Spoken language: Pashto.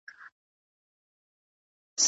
ایا په راډیو کې ډرامه خلاصه شوې ده؟